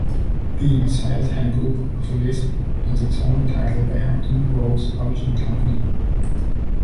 The "Messiah's Handbook" was released as its own title by Hampton Roads Publishing Company.